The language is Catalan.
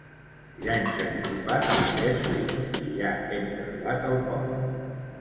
Ja ens hem topat amb aquest riu i ja hem creuat el pont.